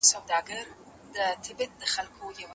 ورور مې په موټر کې د تګ سخت ضد و.